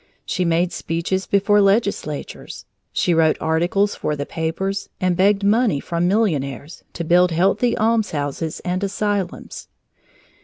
She made speeches before legislatures; she wrote articles for the papers, and begged money from millionaires to build healthy almshouses and asylums.